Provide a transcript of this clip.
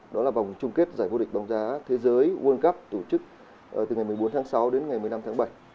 đó là vòng chung kết giải vô địch bóng giá thế giới world cup tổ chức từ ngày một mươi bốn tháng sáu đến ngày một mươi năm tháng bảy